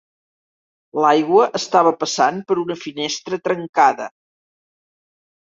L"aigua estava passant per una finestra trencada.